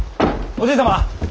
おじい様！